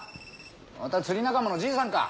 また釣り仲間のじいさんか？